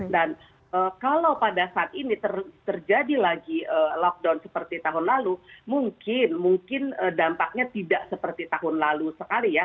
dan kalau pada saat ini terjadi lagi lockdown seperti tahun lalu mungkin dampaknya tidak seperti tahun lalu sekali ya